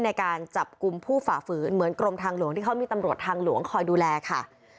ในการจับกลุ่มผู้ฝ่าฝืนเหมือนกรมทางหลวงที่เขามีตำรวจทางหลวงคอยดูแลค่ะ